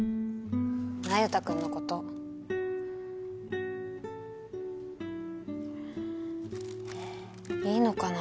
那由他君のこといいのかな